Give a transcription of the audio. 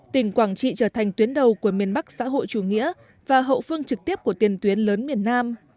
tỉnh quảng trị trở thành tuyến đầu của miền bắc xã hội chủ nghĩa và hậu phương trực tiếp của tiền tuyến lớn miền nam